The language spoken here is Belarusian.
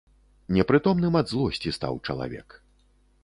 Непрытомным ад злосці стаў чалавек.